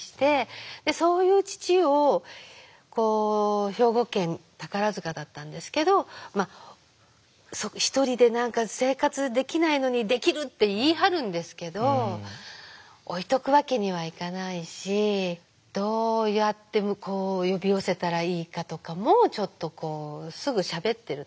そういう父を兵庫県宝塚だったんですけどひとりで生活できないのに「できる！」って言い張るんですけど置いとくわけにはいかないしどうやって呼び寄せたらいいかとかもちょっとこうすぐしゃべってるとけんかになるんです。